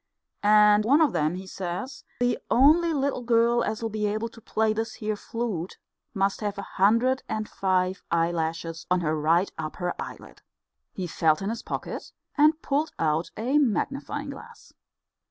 And of them, he says, the only little girl as'll be able to play this here flute must have a hundred and five eyelashes on her right upper eyelid." He felt in his pocket and pulled out a magnifying glass.